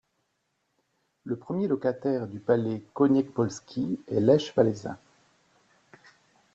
Le premier locataire du palais Koniecpolski est Lech Wałęsa.